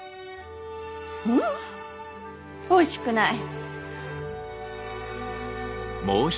ううんおいしくない。